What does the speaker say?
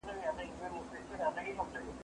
د اولادونو وړتياوي تشخيصول او هغوی په خبرول.